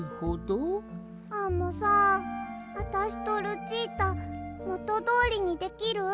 アンモさんあたしとルチータもとどおりにできる？